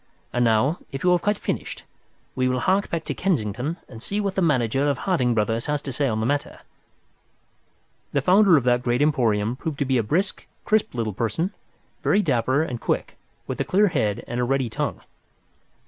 And now, if you have quite finished, we will hark back to Kensington and see what the manager of Harding Brothers has to say on the matter." The founder of that great emporium proved to be a brisk, crisp little person, very dapper and quick, with a clear head and a ready tongue.